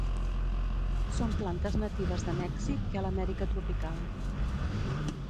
Són plantes natives de Mèxic i a l'Amèrica tropical.